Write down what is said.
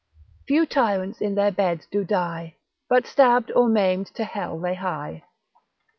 Few tyrants in their beds do die, But stabb'd or maim'd to hell they hie.